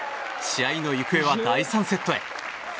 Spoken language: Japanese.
試合の行方は第３セットへ。